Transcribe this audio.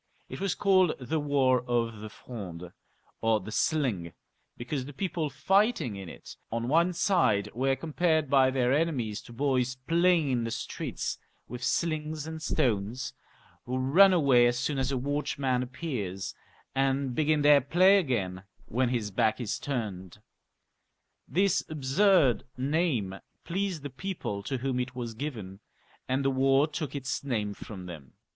It was called the war of the Fronde, or the sling, because the people fighting in it on one side were compared by their enemies to boys playing in the streets with slings and stones, who run away as soon as a watch man appears, and begin their play again when his back is turned. This absurd name pleased the people to whom it was given, and the war took its name from them.